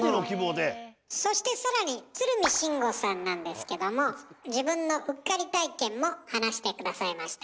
そして更に鶴見辰吾さんなんですけども自分のうっかり体験も話して下さいました。